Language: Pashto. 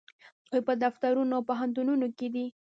دوی په دفترونو او پوهنتونونو کې دي.